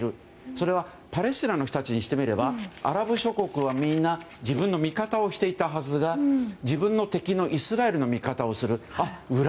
それはパレスチナの人たちにしてみればアラブ諸国はみんな自分の味方をしていたはずが自分の敵のイスラエルの味方をする。